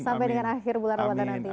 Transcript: sampai dengan akhir bulan ramadan nanti